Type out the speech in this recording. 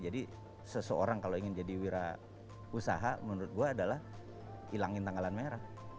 jadi seseorang kalau ingin jadi wirausaha menurut gue adalah ilangin tanggalan merah